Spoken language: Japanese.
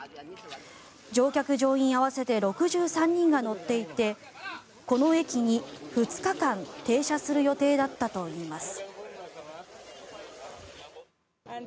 乗客・乗員合わせて６３人が乗っていてこの駅に２日間停車する予定だったといいます。